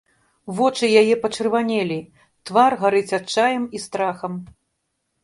Вочы яе пачырванелі, твар гарыць адчаем і страхам.